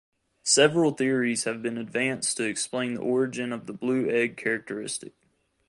Several theories have been advanced to explain the origin of the blue egg characteristic.